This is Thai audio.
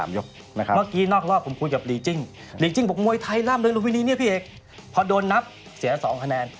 เมื่อกี้นอกรอบผมพูดกับนี่พี่เอกพอโดนนับเสีย๒คะแนน